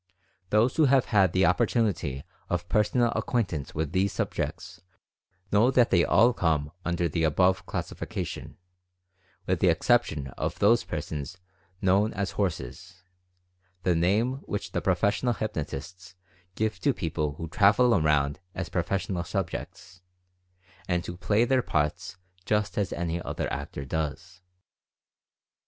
Those who have had the opportunity of per sonal acquaintance with these "subjects" know that they all come under the above classification, with the exception of those persons known as "horses," the name which the professional hypnotists give to people who travel around as "professional subjects" and who play their parts just as any other actor does.